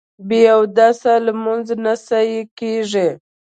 بې اودسه لمونځ نه صحیح کېږي